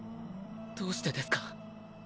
どうしてですか？